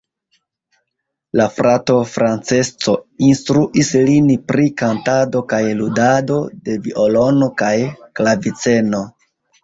La frato Francesco instruis lin pri kantado kaj ludado de violono kaj klaviceno.